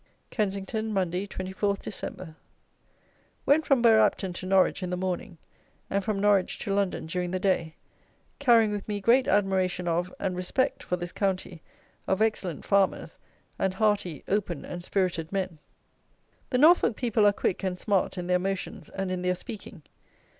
Kensington, Monday, 24 Dec. Went from Bergh Apton to Norwich in the morning, and from Norwich to London during the day, carrying with me great admiration of and respect for this county of excellent farmers, and hearty, open and spirited men. The Norfolk people are quick and smart in their motions and in their speaking.